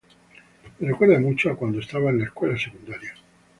Me recuerda mucho a cuando estaba en la escuela secundaria.